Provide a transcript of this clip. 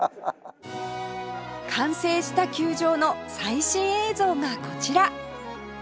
完成した球場の最新映像がこちら